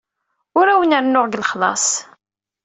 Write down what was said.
Ur awen-rennuɣ deg lexlaṣ.